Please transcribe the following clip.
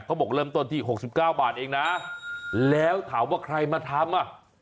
เขาบอกว่าเริ่มตัวนี้๖๙บาทเองแล้วถามว่าใครมาทำ